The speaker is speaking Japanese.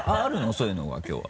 そういうのがきょうは。